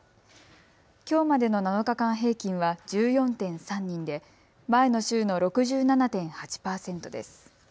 きょうまでの７日間平均は１４．３人で前の週の６７．８％です。